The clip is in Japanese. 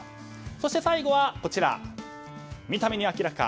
そして、最後は見た目に明らか。